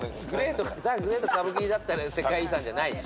ザ・グレート・カブキだったら世界遺産じゃないし。